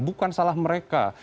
bukan salah mereka